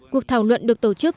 cuộc thảo luận được tổ chức